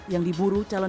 yang diburu calon wisatawan